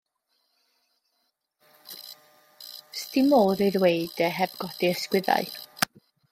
'S dim modd ei ddweud e heb godi ysgwyddau.